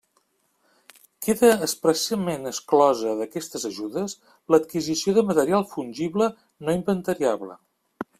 Queda expressament exclosa d'aquestes ajudes l'adquisició de material fungible no inventariable.